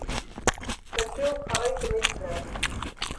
Saturns travaillent comme esclaves.